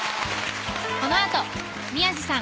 この後宮治さん